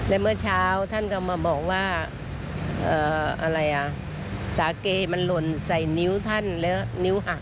และเมื่อเช้าท่านก็มาบอกว่าอะไรอ่ะสาเกมันหล่นใส่นิ้วท่านแล้วนิ้วหัก